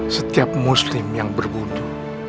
setiap muslim yang berbudu